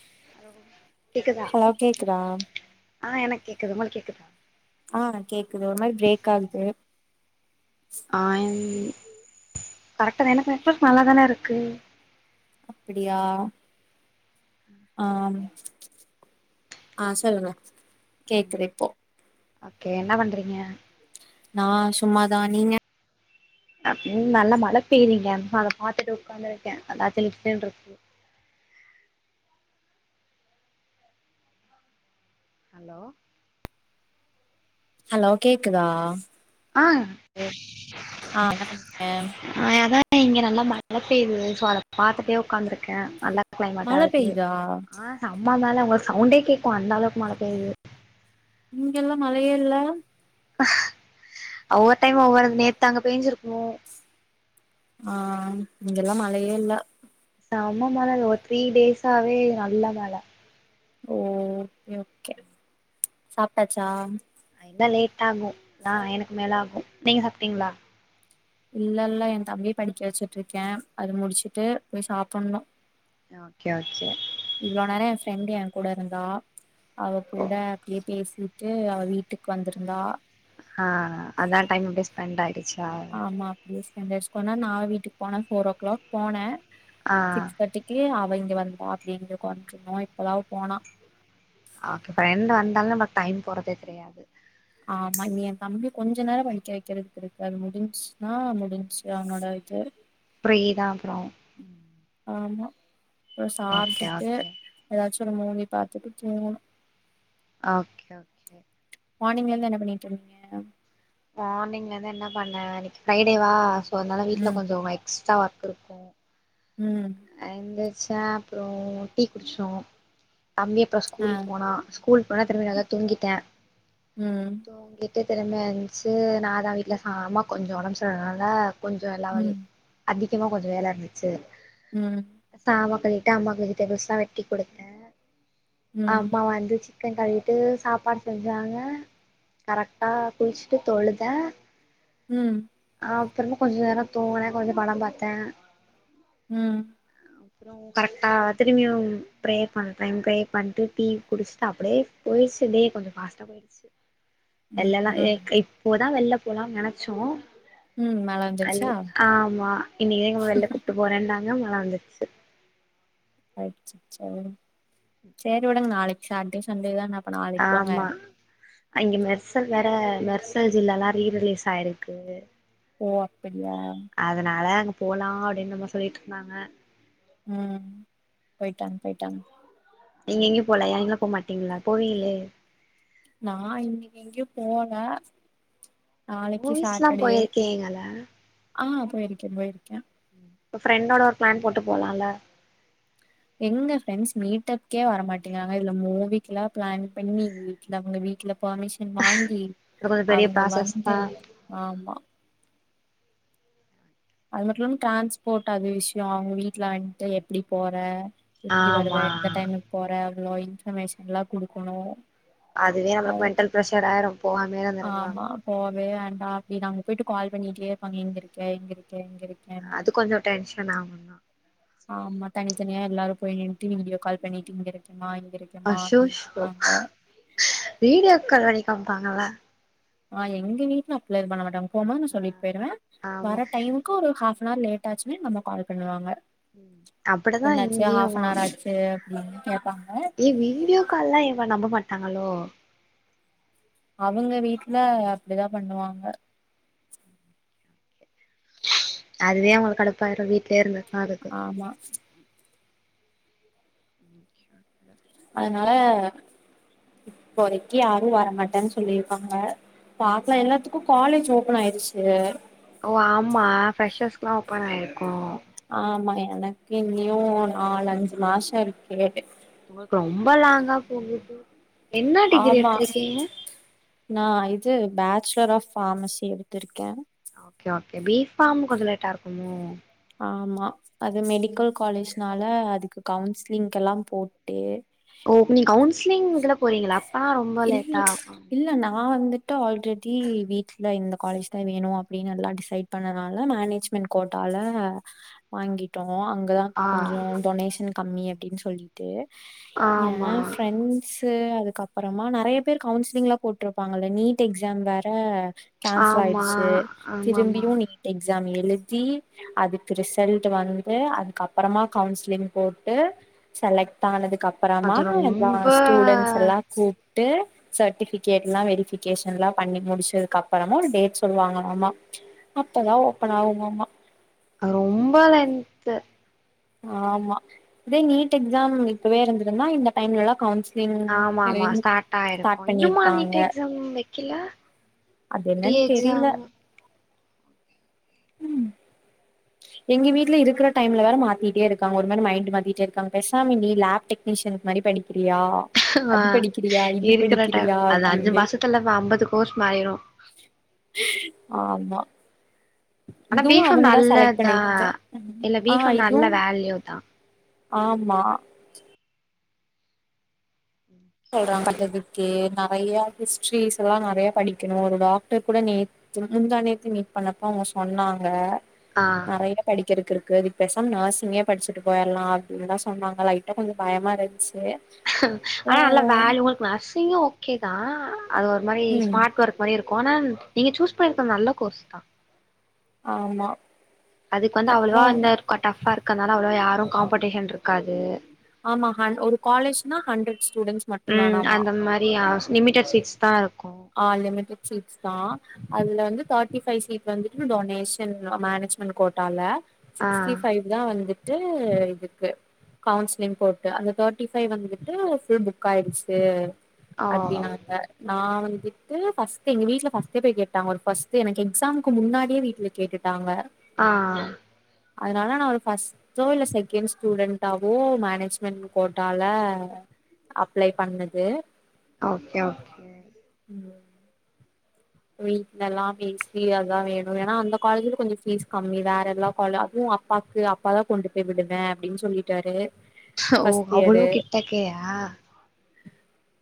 [inaudible] hello கேக்குதா ஆ எனக் கேக்குது உங்குளுக் கேக்குதா ஆ கேக்குது ஒரு மாரி பிரேக் ஆகுது ஆ கரெக்டா தா எனக் மட்டு நல்லா தானே இருக்கு அப்படியா ஆ சொல்லுங்க கேக்குது இப்போ ஓகே என்ன பண்றீங்க நா சும்மாதா நீங்க இங் நல்ல மழ பெய்திங்க அத பாத்துட்டு உக்காந்துருக்க அதா சிலுசிலுன்ருக்கு ஹலோ ஹலோ கேக்குதா ஆ ஆ என்ன பண்றீங்க ஆ அதா இங்க நல்லா மழ பெய்து சோ அத பாத்துட்டே உக்காந்துருக்க நல்லா கிளைமேட்டா மழ இருக்கு பெய்தா ஆ சம்ம மழ உங்கக் சவுண்டே கேக்கும் அந்த அளவுக்கு மழ பெய்து இங்கெல்லா மழயே இல்ல ஒவ்வொரு டைம் ஒவ்வொருது நேத்து அங்க பேஞ்சிருக்கும் ஆ இங்கல்லாம் மழையே இல்ல செம்ம மழங்க ஒரு த்ரீ டேஸாவே நல்ல மழ ஓ ஓகே ஓகே சாப்ட்டாச்சா ஆ இன்னும் லேட் ஆகும் நா எனக்கு மேல ஆகும் நீங்க சாப்ட்டீங்களா இல்ல இல்ல என் தம்பிய படிக்க வச்சிட்டு இருக்கேன் அது முடிச்சிட்டு போய் சாப்பணும் ஓகே ஓகே இவ்ளோ நேரம் என் ஃப்ரெண்டு் என் கூட இருந்தா அவ கூட அப்டியே பேசி ட்டு அவ வீட்டுக்கு வந்துருந்தா ஆ அதா டைம் அப்டே ஸ்பெண்ட் ஆயிடுச்சா ஆமா அப்டியே ஸ்பெண்ட் ஆயிச்சி கொன்நேரம் நா வீட்டுக்கு போன ஃபோர் ஓ கிளாக் போனேன் ஆ சிக்ஸ் தேட்டி க்கி அவ இங்க வந்தா அப்டிங்க கொறஞ்சணும் இப்பதா அவ போனா ஆகே ப்ரெண்டு் வந்தாலும் நம்மளுக்கு டைம் போறதே தெரியாது ஆமா நீ என் தம்பி கொஞ்சம் நேரம் படிக்க வைக்கிறதுக்கு இருக்கு அது முடிஞ்சின்னா முடிஞ்ச்சி அவனோட இது ஃப்ரீ தான் அப்புறோம் ஆமா அப்புறம் ஓகே சாப்ட்டுட்டு ஓகே எதாச்சி ஒரு மூவி பாத்துட்டு தூங்கனும் ஓகே ஓ மார்னிங்ல இருந்து என்ன பண்ணிட்டு இருந்தீங்க மார்னிங்ல இருந்து என்ன பண்ணன் இன்னைக்கு ஃப்ரைடேவா சோ அதனால வீட்ல ம் கொஞ்சமா எக்ஸ்ட்ரா ஒர்க் இருக்கும் ம் எந்திரிச்சன் அப்புறம் டீ குடிச்சோம் தம்பி அப்புறம் ஆ ஸ்கூல் போனா ஸ்கூல் போனா திரும்பி நல்லா தூங்கிட்டேன் ம் தூங்கிட்டு திரும்ப எண்ச்சி நா தா வீட்ல ச அம்மாக்கு கொஞ்சோ ஒடம் சரினால கொஞ்சோ எல்லா வேலையு ம் அதிகமா கொஞ்ச வேல இருந்துச்சி ம் சாமா கலிவிட்டு அம்மாக்கு வெஜிடெபிள்ஸ்லாம் வெட்டி குடுத்தன் ம் ம் அம்மா வந்து கன் கழிவிட்டு சாப்பாடு செஞ்சாங்க கரெக்ட்டா குளிச்சிட்டு தொழுத ம் அப்புறமா கொஞ்ச நேர தூங்கனே கொஞ்ச படம் பாத்தே ம் கரெக்ட்டா திரும்பியு ஃப்ரே பண்ற ஃப்ரே பண்ணிட்டு டீ குடிச்சுட்டு அப்டே போயிச்சி டே கொஞ்ச பாஸ்ட்டா போயி ச்சி எல்லல்லா ம் எக் இப்போதா வெள்ல போலானு நெனச்சோ ம் மேல அல் வந்துருச்சா ஆமா இன்னக்கிதா எங்க அம்மா வெள்ல கூப்ட்டு போறன்னாங்க மழ வந்துருச்சி [unintelligible] செரி விடுங்க நாளைக்கு சாட்டே சண்டே தான அப்ப நாளைக்கு போங்க ஆமா அங்க மெர்சல் வேற மெர்சல் ஜில்லால்ல ரீல் ரிலீஸ் ஆயிருக்கு ஓ அப்டியா அதனால அங்க போலான் அப்டின்னு அம்மா சொல்லிட்டு இருந்தாங்க ம் போயிட்டு வாங்க போயிட்டு வாங்க நீங்க எங்கயு போலயா நீங்கலா போமாட்டீங்களா போவீகளே நா இன்னைக்கு எங்கேயு போவல நாளைக்கு மூவிஸ்லா சாட்டடே போயிருக்கீங்கள ஆ போயிருக்கே போயிருக்கே ஃப்ரெண்டோட ஒரு பிளான் போட்டு போலால்ல எங்க ஃப்ரெண்ட்ஸ் மீட்டப்கே வரமாட்டேங்காங்க இதுல மூவிக்குல்லா பிளான் பண்ணி வீட்ல அவுங்க வீட்ல பேமிஷன் வாங்கி அது கொஞ்சோ பெரிய அவுங்க ப்ராசஸ் தா வந்து ஆமா அவுங்கட்டலா டிரான்ஸ்போர்ட் அது விஷயோ அவுங்க வீட்ல வந்துட்டு எப்டி போற எப்டி ஆமா வருவ எந்த டைமுக்கு போற அவ்ளோ இன்ஃபர்மேஷன்ல்லா குடுக்கணு அதுவே நம்ளுக்கு அது மென்டல் பிரஷர் ஆய்ரு ஆமா போவே வேண்டா அப்டி நாங்க போயிட்டு கால் பண்ணிட்டேருப்பாங்க எங்க இருக்க எங்க இருக்க எங்க இருக் அது கொஞ்சோ டென்ஷன் ஆகுந்தா ஆமா தனித்தனியா எல்லாரு போய் நின்ட்டு வீடியோ கால் பண்ணிட்டு இங்க இருக்கேமா இங்க இருக் அசோஷோ வீடியோ கால்வரை காம்ப்பாங்களா ஆ எங்க வீட்ல அப்டிலா எது பண்ணமாட்டாங்க போம்போது சொல்லிட்டு போய்ருவே ஆமா வர டைம் ஒக்காரு ஆப் அ நார் லேட்டாச்சினா எங்க அம்மா கால் பண்ணுவாங்க ம் அப்படிதா என்னாச்சு இங்கேயு ஆப் அன் ஆர் ஆச்சி கே அப்டின்னு கேப்பாங்க ஏ வீடியோ கால்லா என்ன நம்ப மாட்டாங்களோ அவுங்க வீட்ல அப்டிதா பண்ணுவாங்க அதுவே அவுங்களுக்கு கடுப்பாய்டு வீட்லே இருந்திருக்கலான்டு ஆமா நிச்சயமாக அதனால இப்போதைக்கு யாரு வரமாட்டாடேனு சொல்லிருக்காங்க பாக்லா எல்லாத்துக்கு காலேஜ் ஓபன் ஆயிருச்சு ஓ ஆமா ப்ரெஷர்ஸ்குல்லா ஓப்பன் ஆய்ருக்கு ஆமா எனக்கு இன்னியு நாலு அஞ்சு மாசோ இருக்கிறது உங்களுக்கு ரொம்ப லாங்கா போகுது என்ன டிகிரி ஆமா எடுத்திருக்கீங்க நா இது பேச்சலர் ஆஃப் ஃபார்மசி எடுத்திருக்கே ஓகே ஓகே பீ ஃபார்ம் கொஞ்சோ லேட்டாருக்குமோ ஆமா அது மெடிக்கல் காலேஜ்னால அதுக்கு கவுன்சிலிங்கெல்லா போட்டு ஓ நீங்க கவுன்சிலிங் இதுல போனீங்களா இல் இல்ல நா வந்துட் ட ஆல்ரெடி வீட்லா இந்த காலேஜ் தா வேணு அப்டின்னு எல்லா டிசைட் பண்ணனால மேனேஜ் மின் கோட்டாலா வாங்கிட்டோ அங்கதா ஆ கொஞ்சோ டொனேஷன் கம்மி அப்டின்னு சொல்லி ஆமா என் பிரெண்ட்ஸ் அதுக்கப் அப்புறமா நெறைய பேர் கவுன்சிலிங்ல்லா போட்டிருப்பாங்க நீட் எக்ஸாம் வேற கேன்சல் ஆமா ஆய்டுச்சு ஆமாமா திரும்பியு நீட் எக்ஸாம் எழுதி அதுக்கு ரிசல்ட் வந்து அதுக்கப்புறமா கவுன்சிலிங் போட்டு செலக்ட் ஆனதுக்கப்புறமா அது எல்லா ரொம்ப ஸ்டூடன்ஸ் எல்லா கூப்ட்டு சர்டிபிகேட்ல்லா வெரிபிகேஷன்ல்லா பண்ணி முடிச்சதுக்கு அப்புறமா ஒரு டேட் சொல்லுவாங்ளாமா அப்பதா ஓப்பன் ஆகுமாமா ரொம்ப வென் ஆமா இதே நீட் எக்ஸாம் இப்பவேருந்திருந்தா இந்த டைம்லாம் கவுன்ஸ் ஆமா ஆமா ஸ்டார்ட ஆய்ருக்கு இன்னுமா பண்ணிருப்பாங்க நீட் எக்ஸாம் வைக்கலா அது ரீ என்னன்னு தெரில எக்ஸாம் ம் எங்க வீட்லா இருக்கிற டைம்ல வேற மாத்திட்டேருக்காங்க ஒரு மாதிரி மைண்ட் மாத்திட்டே இருக்காங்க பேசாமா லேப் டெக் னீஷன்க்கு மாரி படிக்கிறியா ஆ அது படிக்கிறியா இது இருக்கிற டைம் படிக்கிறியா அது அஞ்சு அப்டின்னு மாசத்துல ஐம்பது கோர்ஸ் மாறிரு ஆமா ஆனா இதுவு பீஃபு அவங்கதா செலக்ட் நல்லதா பண்ணிருக்கா இல்ல ஆ பீஃபு இதுவு நல்ல வேல்யூ தா ஆமா சொல்றாங்க அததுக்கு நெறைய ஹிஸ்ட்ரிஸ் எல்லா நெறயா படிக்கணு ஒரு டாக்டர் கூட நேத் து முந்தானேத்து மீட் பண்ணப்ப அவங்க சொன்னாங்க ஆ நெறைய படிக்கிறக்கு இருக்கு இது பேசாம நர்சிங்கே படிச்சுட்டு போயிர்லா அப்டின்தா சொன்னாங்க லைட் டா கொஞ்சோ பயமா இருந்த்ச்சு ஆனா நல்லா வேல்யு உங்ளுக் நர்ஸிங்கு ஓகே தா அது ஒரு மாரி ம் ஸ்மார்ட் ஒர்க் மாரி இருக்கு ஆனா நீங்க சூஸ் பண்ணிருக்கது நல்ல கோர்ஸ் தா ஆமா அதுக் வந்து அவ்வளவா அப்றோ அந்த க டஃப்பா இருக்கனாலா அவ்ளவா யாரு காம்படிஷன் இருக்காது ஆமா ஹ ஒரு காலேஜ்னா ஹண்ட்ரஸ் ஸ்டூடெண்ட்ஸ் ம் மட்டுந்தானாமா அந்த மாரியா லிமிடட் சீட்ஸ் தா இருக்கு ஆ லிமிட்டட் சீட்ஸ் தா அதுல வந்து தர்ட்டி ஃபைவ் சீட் வந்துட்டு டொனேஷன் அ மேனேஜ்மென்ட் கோட்டாலா ஆ சிக்ஸ்டி ஃபைவ் தா வந்துட்டு இதுக்கு கவுன்சிலிங் போட்டு அந்த தேர்ட்டி ஃபைவ் வந்துட்டு புல் புக் ஆயிடுச்சு ஓ அப்டினாங்க நா வந் விட்டு் ஃபஸ்ட்டே எங்க வீட்ல ஃபஸ்ட் டே போய் கேட்டாங்க ஒரு ஃபஸ்ட்டு எனக்கு எக்ஸம்க்கு முன்னாடியே வீட்ல கேட்டுட்டாங்க ஆ அதனால நா ஒரு ஃபஸ் டோ இல்ல செகண்ட் ஸ்டூடெண்ட்வோ மேனேஜ்மெண்ட் கோட்டால அப்ளை பண்ணது ஓகே ஓ ம் வீ்ட்ல எல்லா பேசி அதா வேணு ஏனா அந்த காலேஜ்ல கொஞ்சோ ஃபீஸ் கம்மி வேற எல்லா காலே அதுவு அப்பாக்கு அப்பாதா கொண்டு போய் விடுவே அப்டின் சொல்லிட்டாரு ஓ ஃபர்ஸ்ட் அவ்ளோ கிட்டக்கயா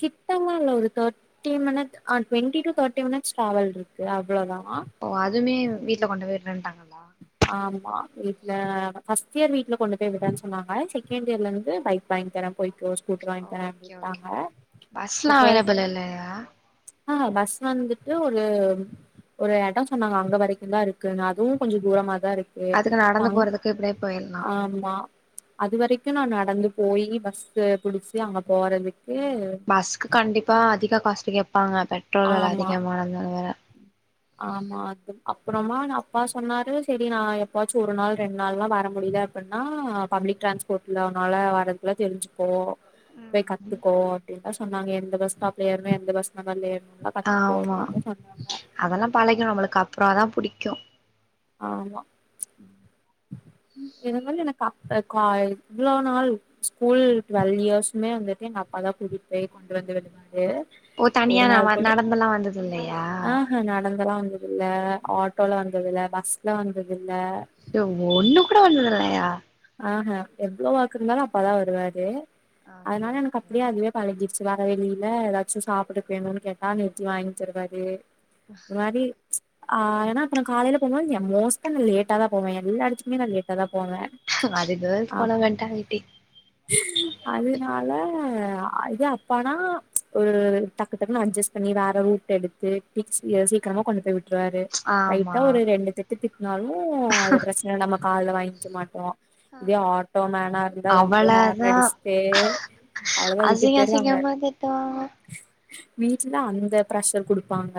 கிட்டனா இல்ல ஒரு தேட்டி மினிட் ஆ டொன்டி டூ தேட்டி மினிட் ஸ் ட்ராவல் இருக்கு அவ்ளோதா ஓ அதுமே வீட்ல கொண்டு போய் விட்றேன்டாங்க ஆமா வீட்ல ஃபர்ஸ்ட் இயர் வீட்ல கொண்டு போய் விடேனு சொன்னாங்க செகண்ட் இயர்ல இருந்து பைக் வாங்கி தரே போய்க்கோ ஸ்கூட்டர் வாங்கி தரே ஓகே ஓகே அப்டின்டாங்க ஓகே பஸ்லா இப்போ அவைலபிள் இல்லயா ஆ பஸ் வந்துட்டு ஒரு ஒரு எடோ சொன்னாங்க அங்க வரைக்குந்தா இருக்குன்னு அதுவு கொஞ்சோ தூரமாதா இருக்கு அதுக்கு நடந்து அங் போறதுக்கு இப்டியே போயிர்லா ஆமா அதுவரைக்கு நா நடந்து போயி பஸ்ஸ புடிச்சு அங்க போறதுக் பஸ்க்கு கண்டிப்பா அதிக காஸ்டு கேட்பாங்க பெட்ரோல் வெல ஆமா அதிகமானதுனால வேற ஆமா அது அப்றமானா அப்பா சொன்னாரு செரி நா எப்பாச்சு ஒரு நாள் ரெண்டு நாள்லா வர முடியல அப்பின்னா பப்ளிக் டிரான்ஸ்போர்ட்ல உன்னால வர்றதுக்குல்லா தெரிஞ்சுக்கோ போய் கத்துக்கோ அப்டின்லா சொன்னாங்க எந்த பஸ் ஸ்டாப்ல ஏறனு எந்த பஸ் நம்பர்ல ஏறனுலா கத்து ஆமா ஓகேன்தா சொன்னாங்க அதெல்லா பழகிடு நம்மளுக்கு அப்றோ அதா புடிக்கு ஆமா இனிமேல் எனக்கு அப்ப கா இவ்ளோ நாள் ஸ்கூல் டுவெல்வ் இயர்ஸ்மே வந்துட்டு எங்க அப்பா தா கூட்டிட்டு போய் கொண்டு வந்து விடுவாரு ஓ தனியா ஒரு நா வ நாள் கூட நடந்தெல்லா வந்தது இல்லயா ஆஹ்ஹ நடந்தலா வந்து இல்ல ஆட்டோல வந்ததில்ல பஸ்ல வந்ததில்ல ச்ச ஒண்ணு கூட வந்ததில்லையா ஆஹ்ஹ எவ்ளோ ஒஃக்கு இருந்தாலு அப்பாதா வருவாரு ஓகே அதனால எனக்கு ஓகே அப்டியே அதுவே பழகிடுச்சு வரவெளில எதாச்சு சாப்ட்றக் வேணுனு கேட்டா நிறித்தி வாங்கி தருவாரு ம் ஒரு மாரி ஆ எனா இப்ப நா காலைல போனா என் மோஸ்டா நா லேட்டாதா போவ எல்லா எடத்துகுமே நா லேட்டா தா போவ அது கேல்ஸ் போல மெண்டாலிட்டி [unintelligible] அதுனால இதே அப்பானா ஒரு டக்குடக்குன்னு அட்ஜஸ்ட் பண்ணி வேற ரூட் எடுத் து டிக்ஸ் சீக்கிரமா கொண்டு போய் விட் ருவாரு ஆமா லைட்டா ஒரு ரெண்டு திட்டு திட்னாலு அது பிரச்சன இல் நம்ம காதுல வாங்க்க மாட்டோ இதே ஆட்டோமேனா இருந்த வந்து ஹாரன் அவ்வளதா அடிச்ட்டே அவ்ளோ தா விட்டுட்டு அசிங்க போய்டுவாங்க அசிங்கமா திட்டுவாங்க வீட்ல தா அந்த பிரஷர் குடுப்பாங்க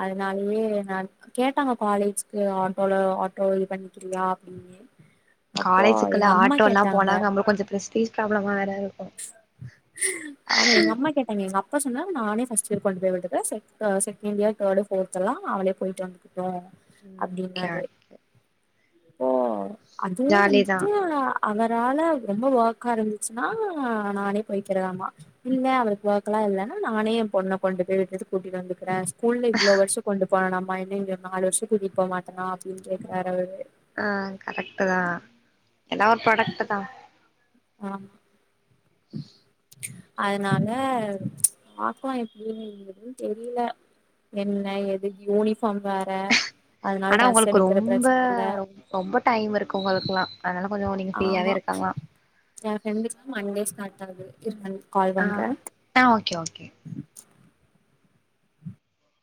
அதனாலயே நான் கேட்டாங்க காலேஜ்க்கு ஆட்டோல ஆட்டோ இவன்கில்லையா அப்டின்னு காலேஜுக்குல்லா ஆட்டோல்லா போனா நம்மளுக் கொஞ்ச பிரெஸ்டிஜ் ப்ராப்ளமா வேற இருக்கு ஆமா எங்க அம்மா கேட்டாங்க எங்க அப் ப்பா சொன்னாங்க நானே ஃபஸ்ட் இயர் கொண்டு போய் விட்டுற செக் அ செகண்ட் இயர் தேர்டு ஃபோர்த்தெல்லா அவளே போய்ட்டு வந் டோ ம் ஓகே அப்டின்னாரு இப்போ அதுவு ஜாலி தா வந்துட்டு அவரால ரொம்ப ஓர்க்கா இருந்துச்சுன்னா நானே போய்கிற ஆமா இல்ல அவளுக்கு ஒஃக்கலா இல்லன்னா நானே என் பொண்ண கொண்டு போய் விட்டுட்டு கூட்டிட்டு வந்துக்குற ஸ்கூல்ல இவ்ளோ வர்ஷோ கொண்டு போணாமா இன்னு இந்த நாலு வர்ஷோ கூட்டி போ மாட்டனா அப்டின் கேக்றாரு அவரு ஆ கரெக்ட்டு தா எல்லா ஒரு பரக்ட்டு தா ஆ அதுனால பாக்கலா எப்டின்னு எதும் தெரில என்ன எதுக் யூனிஃபார்ம் வேற அதனால ஆனா ட்ரெஸ் உங்களுக்கு எடுக்கிற ரொம்ப பிரச்சன இல்ல ரொம்ப டைம் இருக்கு உங்களுக்ல்லா அதனால கொஞ்சோ நீங் ஆமா என் ஃப்ரெண்டுக்லா மண்டே ஸ்டார்ட் ஆகுது இருங்கல் ஆ ஆ ஓகே ஓகே